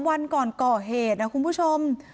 วันก่อนก่อเหตุนะคุณผู้ชม